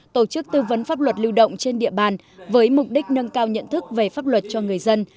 tổ chức tư vấn pháp luật lưu động trên địa bàn với mục đích nâng cao nhận thức về pháp luật cho người dân